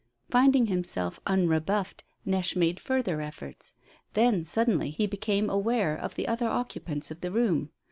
Finding himself unrebuffed Neche made further efforts; then, suddenly, he became aware of the other occupants of the room.